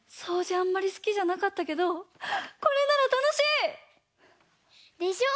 あんまりすきじゃなかったけどこれならたのしい！でしょう？